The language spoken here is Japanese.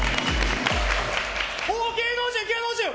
おお、芸能人、芸能人！